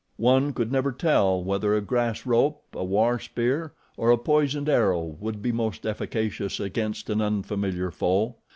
One could never tell whether a grass rope, a war spear, or a poisoned arrow would be most efficacious against an unfamiliar foe.